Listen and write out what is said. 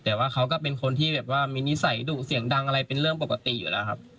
แต่ว่าเขาก็เป็นคนที่แบบว่ามีนิสัยดุเสียงดังอะไรเป็นเรื่องปกติอยู่แล้วครับ